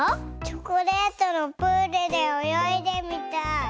チョコレートのプールでおよいでみたい。